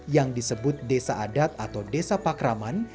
yang disebut desa adat atau desa pakraman